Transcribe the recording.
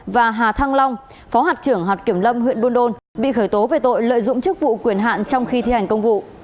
và hà thăng long phó hạt trưởng hạt kiểm lâm huyện buôn đôn bị khởi tố về tội lợi dụng chức vụ quyền hạn trong khi thi hành công vụ